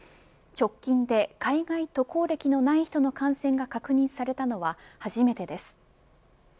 直近で海外渡航歴のない人の感染が確認されたのは初めてです。